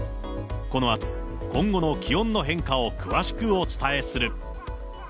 このあと、今後の気温の変化を詳しくお伝えする。